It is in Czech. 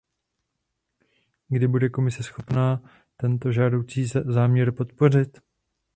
Kdy bude Komise schopná tento žádoucí záměr podpořit?